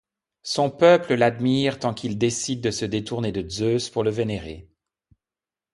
Son peuple l'admire tant qu'il décide de se détourner de Zeus pour le vénérer.